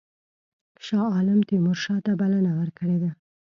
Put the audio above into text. شاه عالم تیمورشاه ته بلنه ورکړې ده.